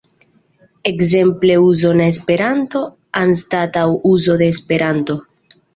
Ekzemple, "uzo" na Esperanto" anstataŭ "uzo de Esperanto".